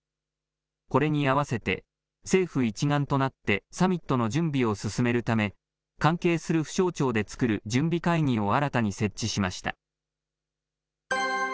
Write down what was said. これに合わせて、政府一丸となってサミットの準備を進めるため、関係する府省庁で作る準備会議を新たに設置しました。